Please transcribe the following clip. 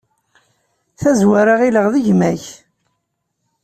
Tazwara ɣilleɣ d gma-k.